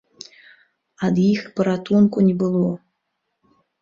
Ад іх паратунку не было.